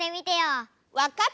わかった！